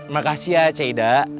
makasih ya cik ida